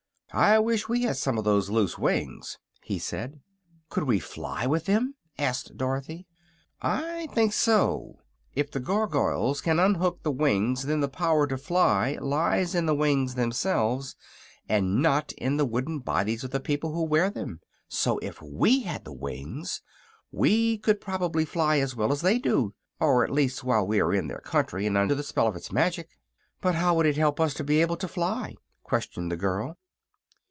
"I wish we had some of those loose wings," he said. "Could we fly with them?" asked Dorothy. "I think so. If the Gargoyles can unhook the wings then the power to fly lies in the wings themselves, and not in the wooden bodies of the people who wear them. So, if we had the wings, we could probably fly as well as they do at least while we are in their country and under the spell of its magic." "But how would it help us to be able to fly?" questioned the girl.